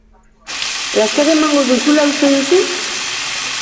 Laster emango duzula uste duzu?